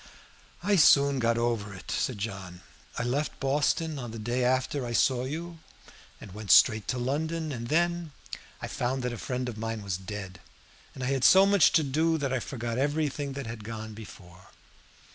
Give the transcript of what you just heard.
"I soon got over it," said John. "I left Boston on the day after I saw you, and went straight to London. And then I found that a friend of mine was dead, and I had so much to do that I forgot everything that had gone before."